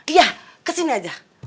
iya kesini aja